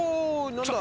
何だ？